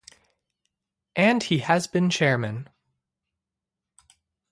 And he has been chairman.